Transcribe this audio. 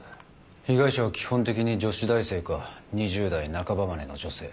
被害者は基本的に女子大生か２０代半ばまでの女性。